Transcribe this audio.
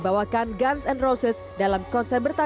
beasamo biar ada yang ngedes istri pahala estil bisnis baru baru ini